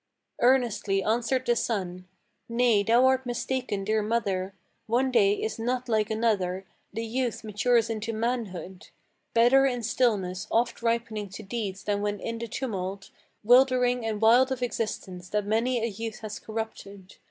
Earnestly answered the son: "Nay, thou art mistaken, dear mother: One day is not like another. The youth matures into manhood: Better in stillness oft ripening to deeds than when in the tumult Wildering and wild of existence, that many a youth has corrupted.